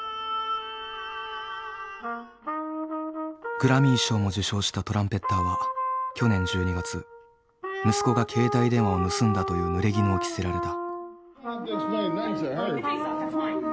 グラミー賞も受賞したトランペッターは去年１２月息子が携帯電話を盗んだというぬれぎぬを着せられた。